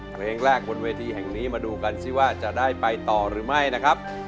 เพลงแรกบนเวทีแห่งนี้มาดูกันสิว่าจะได้ไปต่อหรือไม่นะครับ